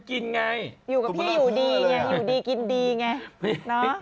นี่กินดีไงเนอะ